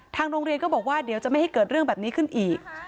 โรงเรียนก็บอกว่าเดี๋ยวจะไม่ให้เกิดเรื่องแบบนี้ขึ้นอีก